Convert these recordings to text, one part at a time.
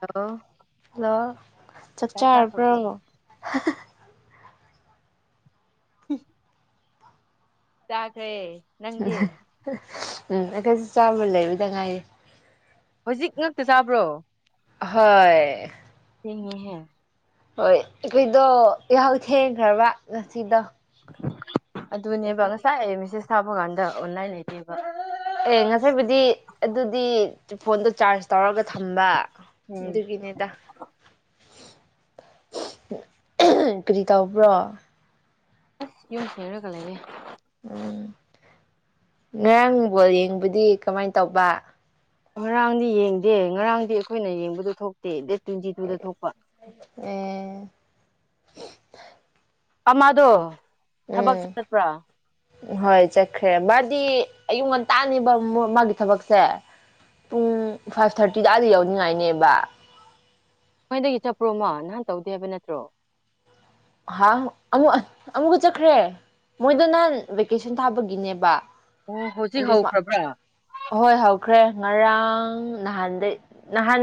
hello hello ꯆꯥꯛ ꯆꯥꯔꯕ꯭ꯔꯣ ꯎꯝ ꯆꯥꯈꯦ ꯎꯝ ꯎꯝ ꯑꯩꯈꯣꯏꯁꯨ ꯆꯥꯕ ꯂꯩꯕꯗ ꯉꯥꯏꯌꯦ ꯍꯧꯖꯤꯛ ꯉꯛꯇ ꯆꯥꯕ꯭ꯔꯣ ꯍꯣꯏ ꯍꯥꯏ ꯍꯣꯏ ꯑꯩꯈꯣꯏꯗꯣ ꯌꯥꯍꯎ ꯊꯦꯡꯈ꯭ꯔꯕ ꯉꯁꯤꯗꯣ ꯑꯗꯨꯅꯦꯕ ꯉꯁꯥꯏ ꯃꯤꯁꯁ ꯊꯥꯕ ꯀꯥꯟꯗ ꯑꯣꯟꯂꯥꯏ ꯂꯩꯇꯦꯕ ꯑꯦ ꯉꯁꯥꯏꯕꯨꯗꯤ ꯑꯗꯨꯗꯤ ꯐꯣꯟꯗꯣ ꯆꯥꯔꯖ ꯇꯧꯔꯒ ꯊꯝꯕ ꯎꯝ ꯑꯗꯨꯒꯤꯅꯤꯗ ꯀꯔꯤ ꯇꯧꯕ꯭ꯔꯣ ꯍꯁ ꯌꯨꯝꯁ ꯍꯦꯔꯣ ꯀ ꯂꯩ ꯎꯝ ꯉꯔꯥꯡꯕꯣ ꯌꯦꯡꯕꯨꯗꯤ ꯀꯃꯥꯏꯅ ꯇꯧꯕ ꯉꯔꯥꯡꯗꯤ ꯌꯦꯡꯗꯦ ꯉꯔꯥꯡꯗꯤ ꯑꯩꯈꯣꯏꯅ ꯌꯦꯡꯕꯗꯨ ꯊꯣꯛꯇꯦ ꯇ꯭ꯋꯦꯟꯇꯤ ꯇꯨꯗ ꯊꯣꯛꯄ ꯑꯦ ꯑꯃꯥꯗꯣ ꯊꯕꯛ ꯆ ꯎꯝ ꯆꯠꯄ꯭ꯔꯥ ꯍꯣꯏ ꯆꯠꯈ꯭ꯔꯦ ꯃꯥꯗꯤ ꯑꯌꯨꯛ ꯉꯟꯇꯥꯅꯦꯕ ꯃꯥꯒꯤ ꯊꯕꯛꯁꯦ ꯄꯨꯡ ꯐꯥꯏꯚ ꯊꯥꯔꯇꯤꯗꯗ ꯌꯥꯎꯅꯤꯡꯉꯥꯏꯅꯦꯕ ꯅꯅꯗꯒꯤ ꯆꯠꯄ꯭ꯔꯣꯃꯣ ꯅꯍꯥꯟ ꯇꯧꯗꯦ ꯍꯥꯏꯕ ꯅꯠꯇ꯭ꯔꯣ ꯑꯃꯨꯛꯀ ꯆꯠꯈ꯭ꯔꯦ ꯃꯣꯏꯗ ꯅꯍꯥꯟ ꯚꯦꯀꯦꯁꯟ ꯊꯥꯕꯒꯤꯅꯦꯕ ꯑꯣ ꯍꯧꯖꯤꯛ ꯍꯧꯈ꯭ꯔꯕ꯭ꯔꯥ ꯈ꯭ꯔꯦ ꯉꯔꯥꯡ ꯅꯍꯥꯟꯗꯩ ꯅꯍꯥꯟ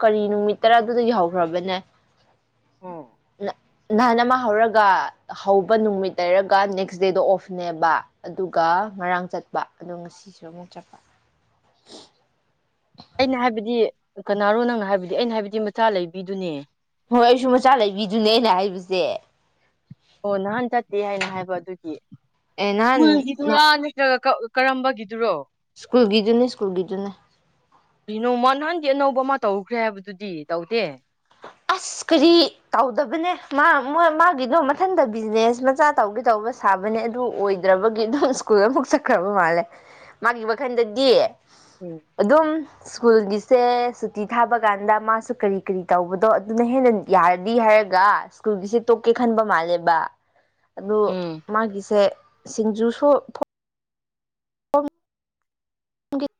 ꯀꯔꯤ ꯅꯨꯃꯤꯠ ꯇꯔꯥꯗꯨꯗꯒꯤ ꯍꯧꯈ꯭ꯔꯕꯅꯦ ꯑꯣ ꯅꯍꯥꯟ ꯑꯃ ꯍꯧꯔꯒ ꯍꯧꯕ ꯅꯨꯃꯤꯠ ꯂꯩꯔꯒ ꯅꯦꯛꯁ ꯗꯦꯗ ꯑꯣꯐꯅꯦꯕ ꯑꯗꯨꯒ ꯉꯔꯥꯡ ꯆꯠꯄ ꯑꯗꯣ ꯉꯁꯤꯁꯨ ꯑꯃꯨꯛ ꯆꯠꯄ ꯑꯩꯅ ꯍꯥꯏꯕꯗꯤ ꯀꯅꯥꯅꯣ ꯅꯪꯅ ꯍꯥꯏꯕꯗꯤ ꯑꯩꯅ ꯍꯥꯏꯕꯗꯤ ꯃꯆꯥ ꯂꯩꯕꯤꯗꯨꯅꯦ ꯍꯣꯏ ꯑꯩꯁꯨ ꯃꯆꯥ ꯂꯩꯕꯤꯗꯨꯅꯦ ꯑꯩꯅ ꯍꯥꯏꯕꯁꯦ ꯑꯣ ꯅꯍꯥꯟ ꯆꯠꯇꯦ ꯍꯥꯏꯅ ꯍꯥꯏꯕ ꯑꯗꯨꯒꯤ ꯑꯦ ꯅꯍꯥꯟ ꯁ꯭ꯀꯨꯜꯒꯤꯗꯨꯔꯥ ꯅꯠꯇ꯭ꯔꯒ ꯀꯛ- ꯀꯔꯝꯕꯒꯤꯗꯨꯔꯣ ꯁ꯭ꯀꯨꯜꯒꯤꯗꯨꯅꯦ ꯁ꯭ꯀꯨꯜꯒꯤꯗꯨꯅ ꯆꯦ ꯑꯅꯧꯕ ꯑꯃ ꯇꯧꯈ꯭ꯔꯦ ꯍꯥꯏꯕꯗꯨꯗꯤ ꯇꯧꯗꯦ ꯑꯁ ꯀꯔꯤ ꯇꯧꯗꯕꯅꯦ ꯃꯥ ꯃꯣꯏ ꯃꯥꯒꯤꯗꯣ ꯃꯊꯟꯇ ꯕꯤꯖꯤꯅꯦꯁ ꯃꯆꯥ ꯇꯧꯒꯦ ꯇꯧꯕ ꯁꯥꯕꯅꯦ ꯑꯗꯨ ꯑꯣꯏꯗ꯭ꯔꯕꯒꯤ ꯑꯗꯨꯝ ꯁ꯭ꯀꯨꯜ ꯑꯃꯨꯛ ꯆꯠꯈ꯭ꯔꯕ ꯃꯥꯜꯂꯦ ꯃꯥꯒꯤ ꯋꯥꯈꯟꯗꯗꯤ ꯑꯗꯨꯝ ꯁ꯭ꯀꯨꯜꯒꯤꯁꯦ ꯁꯨꯇꯤ ꯊꯥꯕ ꯀꯥꯟꯗ ꯃꯥꯁꯨ ꯀꯔꯤ ꯀꯔꯤ ꯇꯧꯕꯗꯣ ꯑꯗꯨꯅ ꯍꯦꯟꯅ ꯌꯥꯔꯗꯤ ꯍꯥꯏꯔꯒ ꯁ꯭ꯀꯨꯜꯒꯤꯁꯦ ꯇꯣꯛꯀꯦ ꯈꯟꯕ ꯃꯥꯜꯂꯦꯕ ꯑꯗꯨ ꯎꯝ ꯃꯥꯒꯤꯁꯦ ꯁꯤꯡꯖꯨꯁꯨ ꯂꯧꯁꯤꯟꯕ ꯉꯝꯗꯕ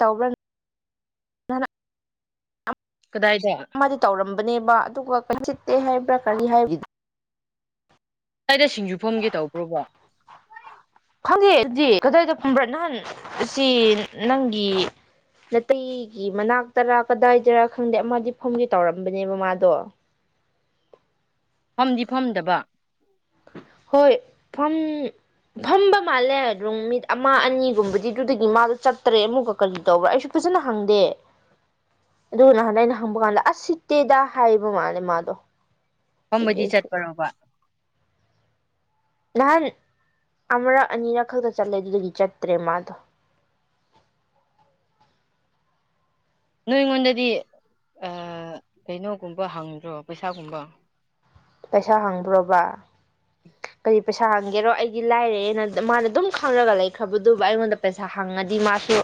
ꯇꯧꯕ꯭ꯔꯥ- ꯅꯍꯥꯟꯅ ꯑꯝ ꯀꯗꯥꯏꯗ ꯑꯃꯗꯤ ꯇꯧꯔꯝꯕꯅꯦꯕ ꯑꯗꯨꯒ ꯆꯠꯇꯦ ꯍꯥꯏꯕ꯭ꯔꯥ ꯀꯔꯤ ꯍꯥꯏ- ꯀꯗꯥꯏꯗ ꯁꯤꯡꯖꯨꯐꯝꯒꯦ ꯇꯧꯕ꯭ꯔꯣꯕꯣ ꯈꯪꯗꯦ ꯑꯗꯨꯗꯤ ꯀꯗꯥꯏꯗ ꯐꯨꯝꯕ꯭ꯔꯥ ꯅꯍꯥꯟ ꯁꯤ ꯅꯪꯒꯤ ꯅꯇꯩꯒꯤ ꯃꯅꯥꯛꯇꯔ ꯀꯗꯥꯏꯗꯔꯥ ꯈꯪꯗꯦ ꯑꯃꯗꯤ ꯐꯝꯒꯦ ꯇꯧꯔꯝꯕꯅꯦꯕ ꯃꯥꯗꯣ ꯐꯝꯗꯤ ꯐꯝꯗꯕ ꯍꯣꯏ ꯐꯝ ꯐꯝꯕ ꯃꯥꯜꯂꯦ ꯑꯗꯨꯝ ꯃꯤꯠ ꯑꯃ ꯑꯅꯤꯒꯨꯝꯕꯗꯤ ꯗꯨꯗꯩꯒꯤ ꯃꯥꯗꯣ ꯆꯠꯇꯔꯦ ꯑꯃꯨꯛꯀ ꯀꯔꯤ ꯇꯧꯕ꯭ꯔꯥ ꯑꯩꯁꯨ ꯐꯖꯅ ꯍꯪꯗꯦ ꯑꯗꯨꯒ ꯅꯍꯥꯟ ꯑꯩꯅ ꯍꯪꯕ ꯀꯥꯟꯗ ꯑꯁ ꯁꯤꯠꯇꯦꯗ ꯍꯥꯏꯕ ꯃꯥꯜꯂꯦ ꯃꯥꯗꯣ ꯑꯗꯨꯒꯤ ꯐꯝꯕꯗꯤ ꯑꯩꯁꯨ ꯆꯠꯄꯔꯣꯕ ꯅꯍꯥꯟ ꯑꯃꯔꯛ ꯑꯅꯤꯔꯛ ꯈꯛꯇ ꯆꯠꯂꯦ ꯑꯗꯨꯗꯩꯒꯤ ꯆꯠꯇ꯭ꯔꯦ ꯃꯥꯗꯣ ꯅꯣꯏ ꯑꯩꯉꯣꯟꯗꯗꯤ ꯑꯑ ꯀꯩꯅꯣꯒꯨꯝꯕ ꯍꯪꯗ꯭ꯔꯣ ꯄꯩꯁꯥꯒꯨꯝꯕ ꯄꯩꯁꯥ ꯍꯪꯗ꯭ꯔꯣꯕ ꯀꯔꯤ ꯄꯩꯁꯥ ꯍꯪꯒꯦꯔꯣ ꯑꯩꯒꯤ ꯂꯥꯏꯔꯩꯅ ꯃꯥꯅ ꯑꯗꯨꯝ ꯈꯪꯉꯒ ꯂꯩꯈ꯭ꯔꯕꯗꯨꯕꯣ ꯑꯩꯉꯣꯟꯗ ꯄꯩꯁꯥ ꯍꯪꯉꯗꯤ ꯃꯥꯁꯨ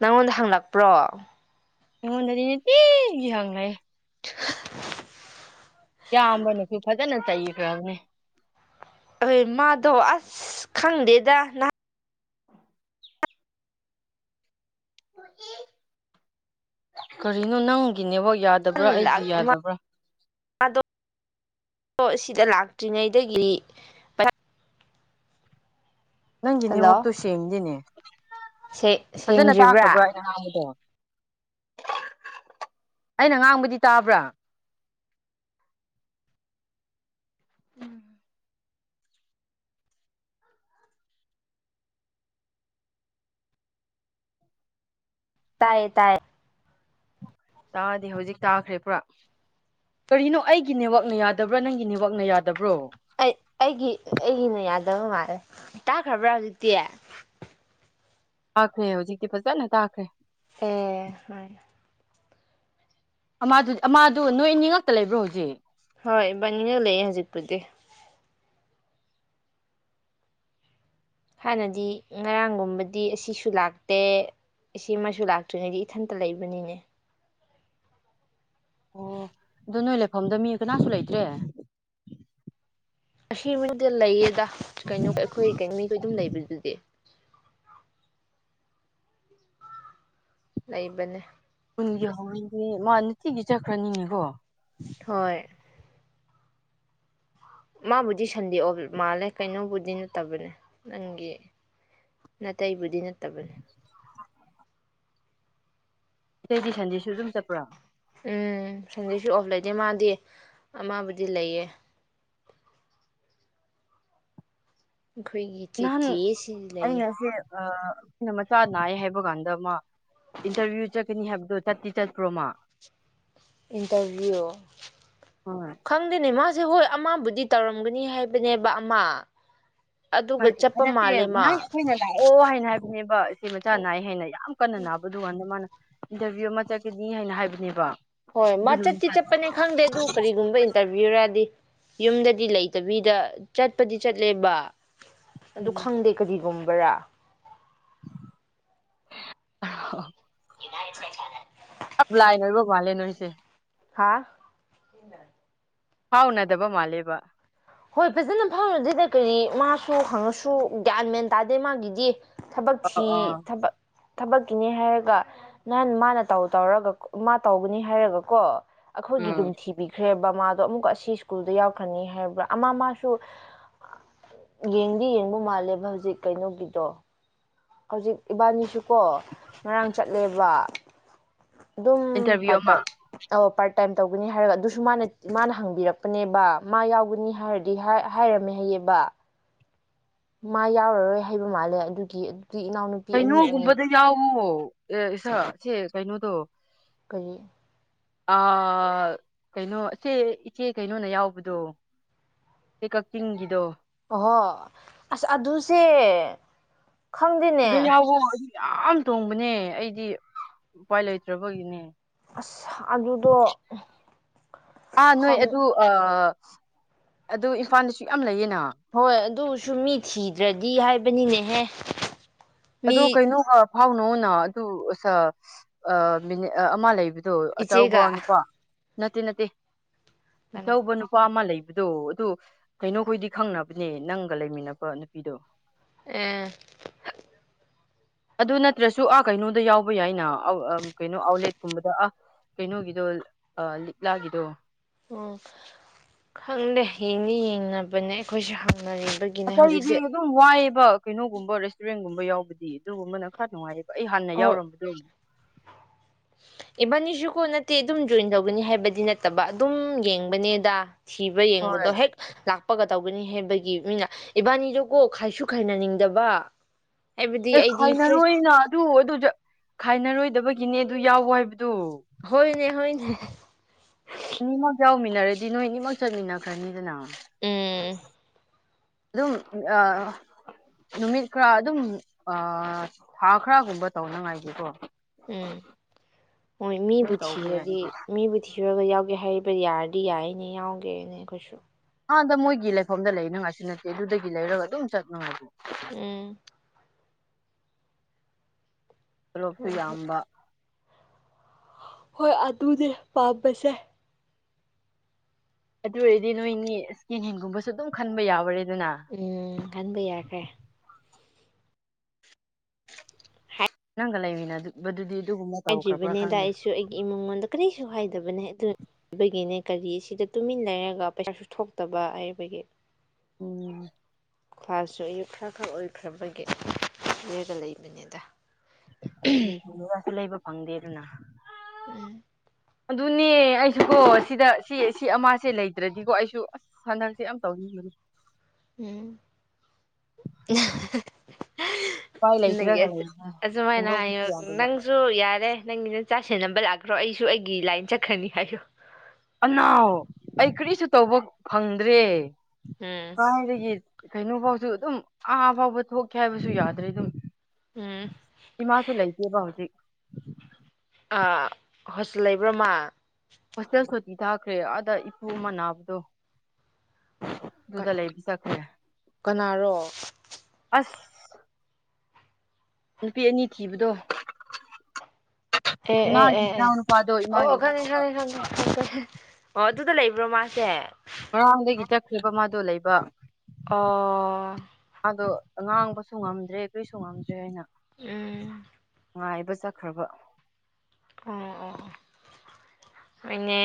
ꯅꯪꯉꯣꯟꯗ ꯍꯪꯂꯛꯄ꯭ꯔꯣ ꯑꯩꯉꯣꯟꯗꯗꯤ ꯅꯤꯇꯤꯒꯤ ꯍꯪꯂꯛꯏ ꯂꯧꯁꯤꯟꯕ ꯉꯝꯗꯕ ꯏꯌꯥꯝꯕꯥꯅꯁꯨ ꯐꯖꯅ ꯆꯩꯈ꯭ꯔꯕꯅꯤ ꯍꯣꯏ ꯃꯥꯗꯣ ꯑꯁ ꯈꯪꯗꯦꯗ ꯅꯍꯥ- ꯀꯔꯤꯅꯣ ꯅꯪꯒꯤ ꯅꯦꯋꯥꯛ- ꯌꯥꯗꯕ꯭ꯔꯥ ꯑꯩꯒꯤ ꯌꯥꯗꯕ꯭ꯔꯥ ꯃꯥꯗꯣ ꯗꯣ ꯑꯁꯤꯗ ꯂꯥꯛꯇ꯭ꯔꯤꯉꯩꯗꯒꯤꯗꯤ ꯄꯩꯁꯥ ꯅꯪꯒꯤ ꯍꯜꯂꯣ ꯅꯦꯠꯋꯥꯔꯛ ꯇꯨ ꯁꯦꯡꯗꯦꯅꯦ ꯐꯖꯅ ꯇꯥꯛꯈ꯭ꯔꯕ꯭ꯔꯣ ꯁꯦꯡꯗ꯭ꯔꯤꯕ꯭ꯔꯥ ꯑꯩꯅ ꯉꯥꯡꯕꯗꯣ ꯑꯩꯅ ꯉꯥꯡꯕꯗꯤ ꯇꯥꯕ꯭ꯔꯥ ꯎꯝ ꯇꯥꯏꯌꯦ ꯇꯥꯏꯌꯦ ꯇꯥꯗꯦ ꯍꯧꯖꯤꯛ ꯇꯥꯈ꯭ꯔꯦ ꯄꯨꯔꯥ ꯀꯔꯤꯅꯣ ꯑꯩꯒꯤ ꯅꯦꯠꯋꯥꯛꯅ ꯌꯥꯗꯕ꯭ꯔꯥ ꯅꯪꯒꯤ ꯅꯦꯠꯋꯥꯛꯅ ꯌꯥ ꯑꯩ ꯑꯩꯒꯤ ꯑꯩꯒꯤꯅ ꯌꯥ ꯗꯕ ꯃꯥꯜꯂꯦ ꯇꯥꯈ꯭ꯔꯕ꯭ꯔꯥ ꯍꯧꯖꯤꯇꯦ ꯇꯥꯈ꯭ꯔꯦ ꯍꯧꯖꯤꯛꯇꯤ ꯐꯖꯅ ꯇꯥꯈ꯭ꯔꯦ ꯑꯦꯍ ꯍꯥꯏ ꯑꯃꯥꯗꯨꯗ ꯑꯃꯥꯗꯨ ꯅꯣꯏꯑꯅꯤꯉꯥꯛꯇ ꯂꯩꯕ꯭ꯔꯣ ꯍꯧꯖꯤꯛ ꯍꯣꯏ ꯕꯅꯤꯅ ꯂꯩꯑꯦ ꯍꯧꯖꯤꯛꯄꯨꯗꯤ ꯍꯥꯟꯅꯗꯤ ꯉꯔꯥꯡꯒꯨꯝꯕꯗꯤ ꯑꯁꯤꯁꯨ ꯂꯥꯛꯇꯦ ꯑꯁꯤꯃꯁꯨ ꯂꯥꯛꯇ꯭ꯔꯤꯉꯩꯗꯤ ꯏꯊꯟꯇ ꯂꯩꯕꯅꯤꯅꯦ ꯑꯣ ꯑꯗ ꯅꯣꯏ ꯂꯩꯐꯝꯗ ꯃꯤ ꯀꯅꯥꯁꯨ ꯂꯩꯇ꯭ꯔꯦ ꯑꯁꯤ ꯃꯤꯅꯤꯗ ꯂꯩꯌꯦꯗ ꯀꯩꯅꯣ ꯑꯩꯈꯣꯏ ꯃꯤꯈꯣꯏ ꯑꯗꯨꯝ ꯂꯩꯕꯗꯨꯗꯤ ꯂꯩꯕꯅꯦ ꯒꯤ ꯍꯧꯔꯗꯤ ꯃꯥ ꯅꯨꯡꯇꯤꯒꯤ ꯆꯠꯈ꯭ꯔꯅꯤꯅꯦꯀꯣ ꯍꯣꯏ ꯃꯥꯕꯨꯗꯤ ꯁꯟꯗꯦꯛꯑꯣ ꯃꯥꯜꯂꯦ ꯀꯩꯅꯣꯕꯨꯗꯤ ꯅꯠꯇꯕꯅꯦ ꯅꯪꯒꯤ ꯅꯥꯇꯩꯕꯨꯗꯤ ꯅꯠꯇꯕꯅꯦ ꯑꯇꯩꯗꯤ ꯁꯟꯗꯦꯁꯨ ꯑꯗꯨꯝ ꯆꯠꯄ꯭ꯔꯣꯥ ꯎꯝ ꯁꯟꯗꯩꯁꯨ ꯑꯣꯐ ꯂꯩꯇꯦ ꯃꯥꯗꯤ ꯑꯃꯕꯨꯗꯤ ꯂꯩꯌꯦ ꯑꯩꯈꯣꯏꯒꯤ ꯅꯍꯥꯟ ꯆꯤꯆꯤꯁꯤ ꯂꯩꯌꯦ ꯑꯩꯅꯁꯦ ꯑꯩꯈꯣꯏꯅ ꯃꯆꯥ ꯅꯥꯏ ꯍꯥꯏꯕ ꯀꯥꯟꯗ ꯃꯥ ꯏꯟꯇꯔꯚꯤꯌꯨ ꯆꯠꯀꯅꯤ ꯍꯥꯏꯕꯗꯣ ꯆꯠꯇꯤ ꯆꯠꯄ꯭ꯔꯣ ꯃꯥ ꯏꯟꯇꯔꯚꯤꯌꯨ ꯍꯣꯏ ꯈꯪꯗꯅꯦ ꯃꯥ ꯁꯦ ꯍꯣꯏ ꯑꯃꯕꯨꯗꯤ ꯇꯧꯔꯝꯒꯅꯤ ꯍꯥꯏꯕꯅꯦꯕ ꯑꯃ ꯑꯗꯨꯒ ꯆꯠꯄ ꯍꯗꯁꯦ ꯃꯥꯜꯂꯦ ꯃꯥ ꯅꯪ ꯑꯩꯈꯣꯏꯅ ꯂꯥꯛꯑꯣ ꯍꯥꯏꯅ ꯍꯥꯏꯕꯅꯦꯕ ꯏꯆꯦ ꯃꯆꯥ ꯅꯥꯏ ꯍꯥꯏꯅ ꯌꯥꯝ ꯀꯟꯅ ꯅꯥꯕꯗꯨꯀꯥꯟꯗ ꯃꯥꯅ ꯏꯟꯇꯔꯚꯤꯌꯨ ꯑꯃ ꯆꯠꯀꯅꯤ ꯍꯥꯏꯅ ꯍꯥꯏꯕꯅꯦꯕ ꯍꯣꯏ ꯃꯥ ꯑꯗꯨ ꯆꯠꯇꯤ ꯅꯨꯃꯤꯠꯇ ꯆꯠꯄꯅꯦ ꯈꯪꯗꯦ ꯑꯗꯨ ꯀꯔꯤꯒꯨꯝꯕ ꯏꯟꯇꯔꯚꯤꯌꯨꯔꯗꯤ ꯌꯨꯝꯗꯗꯤ ꯂꯩꯇꯕꯤꯗ ꯆꯠꯄꯗꯤ ꯆꯠꯂꯦꯕ ꯑꯗꯨ ꯎꯝ ꯈꯪꯗꯦ ꯀꯔꯤꯒꯨꯝꯕ ꯚꯥꯌꯥ [unintelligible] ꯌꯨꯃꯁꯦ ꯆꯅꯦ ꯂꯥꯏꯅ ꯂꯣꯏꯔꯤꯕ ꯃꯥꯜꯂꯦ ꯅꯣꯏꯁꯦ ꯍꯥꯥ ꯍꯥꯎꯅꯗꯕ ꯃꯥꯂꯦꯕ ꯍꯣꯏ ꯐꯖꯅ ꯐꯪꯉꯗꯤꯗ ꯀꯔꯤ ꯃꯥꯁꯨ ꯍꯪꯉꯁꯨ ꯒ꯭ꯌꯥꯟ ꯃꯦꯟ ꯇꯥꯗꯦ ꯃꯥꯒꯤꯗꯤ ꯊꯕꯛ ꯑ ꯊꯤ ꯑ ꯊꯕꯛ ꯊꯕꯛꯀꯤꯅꯤ ꯍꯥꯏꯔꯒ ꯅꯍꯥꯟ ꯃꯥꯅ ꯇꯧ ꯇꯧꯔꯒ ꯃꯥ ꯇꯧꯒꯅꯤ ꯍꯥꯏꯔꯒ ꯀꯣ ꯑꯩꯈꯣꯏꯒꯤ ꯎꯝ ꯑꯗꯨꯝꯊꯤꯕꯤꯈ꯭ꯔꯦ ꯕꯃꯥꯗꯣ ꯑꯃꯨꯛꯀ ꯑꯁꯤ ꯁ꯭ꯀꯨꯜꯗ ꯌꯥꯎꯈ꯭ꯔꯅꯤ ꯍꯥꯏꯕ꯭ꯔꯥ ꯑꯃ ꯃꯥꯁꯨ ꯌꯦꯡꯗꯤ ꯌꯦꯡꯕ ꯃꯥꯜꯂꯦꯕ ꯍꯧꯖꯤꯛ ꯀꯩꯅꯣꯒꯤꯗꯣ ꯍꯧꯖꯤꯛ ꯏꯕꯥꯅꯤꯁꯨꯀꯣ ꯉꯔꯥꯡ ꯆꯠꯂꯦꯕ ꯑꯗꯨꯝ ꯏꯟꯇꯔꯚꯤꯌꯨ ꯄꯇ ꯑꯃ ꯑꯣ ꯇꯥꯏꯝ ꯇꯧꯒꯅꯤ ꯍꯥꯏꯔꯒ ꯑꯗꯨꯁꯨ ꯃꯥꯅ ꯃꯥꯅ ꯍꯪꯕꯤꯔꯛꯄꯅꯦꯕ ꯃꯥ ꯌꯥꯎꯒꯅꯤ ꯍꯥꯏꯔꯗꯤ ꯍꯥꯏꯔꯝꯃꯦ ꯍꯥꯏꯌꯦꯌꯦꯕ ꯃꯥ ꯌꯥꯎꯔꯔꯣꯏ ꯍꯥꯏꯕ ꯃꯥꯜꯂꯦ ꯑꯗꯨꯒꯤ ꯑꯗꯨꯗꯤ ꯏꯅꯥꯎꯅꯨꯄꯤ ꯑꯅꯤ ꯑꯣꯏꯅꯤ ꯀꯩꯅꯣꯒꯨꯝꯕꯗ ꯌꯥꯎꯋꯣ ꯑꯦ ꯏꯁ ꯁꯤ ꯀꯩꯅꯣꯗꯣ ꯑꯩꯈꯣꯏ ꯀꯩꯅꯣ ꯁꯦ ꯏꯆꯦ ꯀꯩꯅꯣꯅ ꯌꯥꯎꯕꯗꯣ ꯑꯩ ꯀꯛꯆꯤꯡꯒꯤꯗꯣ ꯑꯣꯍꯣ ꯑꯁ ꯑꯗꯨꯁꯦ ꯑꯗꯨ ꯈꯪꯗꯦꯅꯦ ꯌꯥꯎꯋꯣ ꯌꯥꯝ ꯇꯣꯡꯕꯅꯦ ꯑꯩꯗꯤ ꯎꯄꯥꯏ ꯂꯩꯇ꯭ꯔꯕꯒꯤꯅꯦ ꯑꯁ ꯑꯗꯨꯗꯣꯪ ꯑꯥ ꯅꯣꯏ ꯑꯗꯨ ꯑ ꯑꯗꯨ ꯏꯝꯐꯥꯜꯗꯁꯨꯨꯛ ꯌꯥꯝ ꯂꯩꯌꯦꯅ ꯍꯣꯏ ꯑꯗꯨꯁꯨ ꯃꯤ ꯊꯤꯗ꯭ꯔꯗꯤ ꯗꯤ ꯍꯥꯏꯕꯅꯤꯅꯦꯍꯦ ꯑꯣ ꯃꯤ ꯀꯩꯅꯣ ꯀꯣ ꯐꯥꯎꯅꯅ ꯑꯗꯨ ꯃꯤꯅꯤꯠ ꯑꯃ ꯂꯩꯕ ꯑꯗꯨ ꯏꯆꯦꯒ ꯆꯥꯎꯕꯥꯎꯅꯄ ꯅꯠꯇ ꯅꯠꯇꯦ ꯑꯆꯧꯕ ꯅꯨꯄꯥ ꯑꯃ ꯂꯩꯕ ꯑꯗꯣ ꯑꯗꯨ ꯀꯩꯅꯣꯈꯣꯏꯗꯤ ꯈꯪꯅꯕꯅꯦ ꯅꯪꯒ ꯂꯩꯃꯤꯟꯅꯕ ꯅꯨꯄꯤꯗꯣ ꯑ ꯑꯗꯨ ꯅꯠꯇ꯭ꯔꯁꯨ ꯑꯥ ꯀꯩꯅꯣꯗ ꯌꯥꯎꯕ ꯌꯥꯏꯅ ꯀꯩꯅꯣ ꯑꯥꯎꯠꯂꯦꯠꯀꯨꯝꯕꯗ ꯑ ꯀꯩꯅꯣꯒꯤꯗꯣ ꯂꯤꯛꯂꯥꯒꯤꯗꯣ ꯑꯣ ꯈꯪꯗꯦ ꯌꯦꯡꯅꯤ ꯌꯦꯡꯅꯕꯅꯦ ꯑꯩꯈꯣꯏꯁꯨꯪ ꯉꯁꯥꯏꯗꯤ ꯑꯗꯨꯝ ꯋꯥꯏꯑ ꯀꯩꯅꯣꯒꯨꯝꯕ ꯔꯦꯁꯇꯨꯔꯦꯟꯒꯨꯝꯕ ꯌꯥꯎꯕꯗꯤ ꯑꯗꯨꯒꯨꯝꯕꯅ ꯈꯔ ꯅꯨꯡꯉꯥꯏꯔꯦ ꯑꯩ ꯍꯥꯟꯅ ꯍꯣꯏ ꯌꯥꯎꯔꯝꯕꯗꯣ ꯏꯕꯥꯅꯤꯁꯨꯀꯣ ꯅꯠꯇꯦ ꯑꯗꯨꯝ ꯖꯣꯏꯟ ꯇꯧꯒꯅꯤ ꯍꯥꯏꯕꯗꯤ ꯅꯠꯇꯕ ꯑꯗꯨꯝ ꯌꯦꯡꯕꯅꯦꯗ ꯊꯤꯕ ꯍꯣꯏ ꯌꯦꯡꯕꯗꯣ ꯍꯦꯛ ꯂꯥꯛ ꯀꯄꯒ ꯇꯧꯒꯅꯤ ꯍꯥꯏꯕꯒꯤ ꯃꯤꯅ ꯏꯕꯥꯅꯤꯗꯨꯀꯣ ꯈꯥꯏꯁꯨ ꯈꯥꯏꯅꯅꯤꯡꯗꯕ ꯍꯥꯏꯕꯗꯤ ꯑꯦ ꯑꯩꯗꯤ ꯐ꯭ꯔꯦꯁ ꯈꯥꯏꯅꯔꯣꯏꯅ ꯑꯗꯨ ꯑꯗꯨ ꯈꯥꯏꯅꯔꯣꯏꯗꯕꯒꯤ ꯒꯤꯅꯦ ꯑꯗꯨ ꯌꯥꯎꯋꯣ ꯍꯥꯏꯕ ꯍꯣꯏꯅꯦ ꯍꯣꯏ ꯎ ꯎꯟꯅꯔꯗꯤ ꯅꯣꯏ ꯑꯅꯤꯃꯛ ꯆꯠꯃꯤꯟꯅꯈ꯭ꯔꯅꯤꯗꯅ ꯎꯝ ꯑꯗꯨꯝ ꯅꯨꯃꯤꯠ ꯈꯔ ꯑꯗꯨꯝ ꯊꯥ ꯈꯔꯒꯨꯝꯕ ꯇꯧꯅꯉꯥꯏꯒꯤꯦꯀꯣ ꯎꯝ ꯍꯣꯏ ꯑꯗꯨꯝ ꯃꯤꯕꯨ ꯇꯧꯕ ꯊꯤꯔꯗꯤ ꯌꯥꯏꯗ ꯃꯤꯕꯨ ꯊꯤꯔꯨꯔꯒ ꯌꯥꯎ ꯍꯩꯕ ꯌꯥꯔꯗꯤ ꯌꯥꯏꯅꯦ ꯌꯥꯎꯒꯦꯅꯦ ꯀꯩꯣꯏꯁꯨ ꯑꯗ ꯃꯣꯏꯒꯤ ꯂꯩꯐꯝꯗ ꯂꯩꯅꯉꯥꯏꯁꯨ ꯅꯠꯇꯦ ꯑꯗꯨꯗꯒꯤ ꯂꯩꯔꯒ ꯑꯗꯨꯝ ꯆꯠꯅꯉꯥꯏꯗꯤꯦ ꯎꯝ ꯇꯂꯣꯞꯁꯨ ꯍꯣꯏ ꯍꯣꯏ ꯌꯥꯝꯕ ꯍꯣꯏ ꯑꯗꯨꯅꯦ ꯄꯥꯝꯕꯁꯦ ꯑꯗꯨ ꯑꯣꯏꯔꯗꯤ ꯅꯣꯏꯅꯤ ꯏꯁꯀꯤꯟ ꯍꯦꯟꯒꯨꯝꯕꯁꯨ ꯗꯨꯝ ꯈꯟꯕ ꯌꯥꯎꯔꯦ ꯎꯝ ꯈꯟꯕ ꯌꯥꯈꯔ꯭ꯦ ꯅꯪꯒ ꯏꯃꯤꯟꯅꯗꯨꯕꯗꯨꯗꯤ ꯑꯥꯏꯗꯔ꯭ꯤꯕꯅꯦꯗ ꯑꯩꯁꯨ ꯑꯩꯒꯤ ꯏꯃꯨꯡꯉꯣꯟꯗ ꯀꯔꯤ ꯁꯨ ꯍꯥꯏꯗꯕꯅꯦ ꯑꯗꯨ ꯕꯒꯤꯅꯦ ꯀꯔꯤ ꯁꯤꯗ ꯇꯨꯃꯤꯟ ꯂꯩꯔꯒ ꯄꯩꯁꯥꯁꯨ ꯊꯣꯛꯇꯕ ꯍꯥꯏꯕꯒꯤ ꯎꯝ ꯀ꯭ꯂꯥꯁꯁꯨ ꯑꯌꯨꯛ ꯈꯔ ꯈꯔ ꯑꯣꯏꯈ꯭ꯔꯕꯒꯤ ꯔꯒ ꯂꯩꯕꯅꯦꯗ [unintelligible] ꯂꯩꯕ ꯐꯪꯗꯦꯗꯅ ꯎꯝ ꯑꯗꯨꯅꯦ ꯑꯩꯁꯨꯀꯣ ꯁꯤꯗ ꯁꯤ ꯁꯤ ꯑꯃꯁꯥꯁꯦ ꯂꯩꯇ꯭ꯔꯗꯤꯀꯣ ꯑꯩꯁꯨ ꯑꯁ ꯍꯟꯗꯛꯁꯦ ꯌꯥꯝ ꯇꯧꯅꯤꯡꯕꯅꯤ ꯎꯝ [unintelligible] ꯎꯄꯥꯏ ꯅꯪꯒꯤ ꯂꯩꯇ꯭ꯔꯒ ꯑꯁꯨ ꯂꯩꯕꯅꯦ ꯑꯁꯨꯃꯥꯏꯅ ꯍꯥꯏꯌ ꯍꯨꯟꯗꯣꯛꯄꯁꯨ ꯌꯥꯗꯕ ꯅꯪꯁꯨ ꯌꯥꯔꯦ ꯅꯪꯒ ꯆꯥ ꯁꯦꯟꯅꯕ ꯂꯥꯛꯈꯔꯣ ꯑꯩꯁꯨ ꯑꯩꯒꯤ ꯂꯥꯏꯟ ꯆꯠꯈ꯭ꯔꯅꯤ ꯍꯥꯏꯌꯨ ꯑꯅꯥꯎ ꯑꯩ ꯀꯔꯤꯁꯨ ꯇꯧꯕ ꯐꯪꯗ꯭ꯔꯦ ꯎꯝ ꯑꯗꯒꯤ ꯀꯩꯅꯣꯐꯧ ꯨ ꯗꯨ ꯑꯗꯨꯝ ꯑꯥ ꯐꯥꯎꯕ ꯊꯣꯛꯀꯦ ꯍꯥꯏꯕꯁꯨ ꯌꯥꯗ꯭ꯔꯦ ꯗꯨꯝ ꯎꯝ ꯏꯃꯥꯁꯨ ꯂꯩꯇꯦꯕ ꯍꯧꯖꯤꯛ ꯑ ꯍꯣꯁꯤꯜ ꯂꯩꯕꯔꯥ ꯃꯥꯥ ꯏ ꯊꯥꯈ꯭ꯔꯦ ꯑꯥꯗ ꯏꯄꯨ ꯑꯃ ꯅꯥꯕꯗꯣ ꯗꯨꯗꯥ ꯂꯩꯕꯤ ꯆꯈꯔ꯭ꯦ ꯀꯅꯥꯔꯣ ꯑꯁ ꯅꯨꯄꯤ ꯑꯅꯤ ꯊꯤꯕꯗꯣ ꯑꯦ ꯑꯦ ꯏꯃꯥꯒꯤ ꯑꯦ ꯑꯦ ꯏꯅꯥꯎ ꯅꯨꯄꯥꯗꯣ ꯑꯣ ꯏꯃꯥꯒꯤ ꯑꯣ ꯈꯪꯉꯦ ꯈꯪꯉꯦ ꯈꯪꯉꯦ ꯈꯪ ꯈꯪ ꯑꯣ ꯑꯗꯨꯗ ꯂꯩꯕ꯭ꯔꯣ ꯃꯥꯁꯦ ꯉꯔꯥꯥꯡꯗꯒꯤ ꯆꯈꯔ꯭ꯤꯕ ꯃꯥ ꯗꯨ ꯂꯩꯕ ꯑꯣ ꯗꯣ ꯉꯥꯡꯕꯁꯨ ꯉꯝꯗ꯭ꯔꯦ ꯀꯔ꯭ꯤꯁꯨ ꯉꯝꯗ꯭ꯔꯦ ꯍꯥꯏꯅ ꯎꯝ ꯉꯥꯏꯕ ꯆꯠꯈ꯭ꯔꯕ ꯑꯣ ꯑꯣ ꯑꯣ ꯑꯣꯏꯅꯦ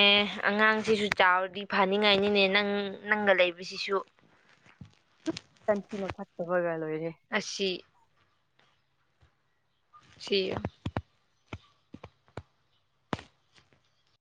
ꯑꯉꯥꯡꯁꯤꯁꯨ ꯆꯥꯎꯔꯗꯤ ꯐꯥꯅꯤꯡꯉꯥꯏꯅꯤꯅꯦ ꯅꯪ ꯅꯪꯒ ꯂꯩꯕꯁꯤꯁꯨ ꯇꯟꯊꯤꯅ ꯐꯠꯇꯕꯒ ꯂꯣꯏꯔꯦ ꯑꯁꯤ ꯁꯤꯌꯣ